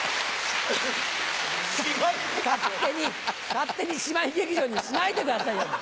勝手に姉妹劇場にしないでくださいよ。